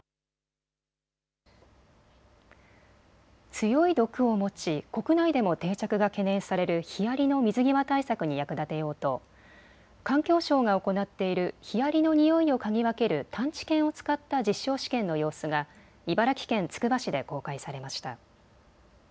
強い毒を持ち国内でも定着が懸念されるヒアリの水際対策に役立てようと環境省が行っているヒアリのにおいを嗅ぎ分ける探知犬を使った実証試験の様子が茨城県つくば市で公開されました。